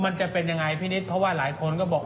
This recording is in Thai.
มันจะเป็นยังไงพี่นิดเพราะว่าหลายคนก็บอก